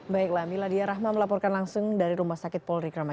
baiklah miladia rahma melaporkan langsung dari rumah sakit polri kramayu